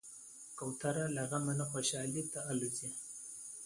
کوتره له غم نه خوشحالي ته الوزي.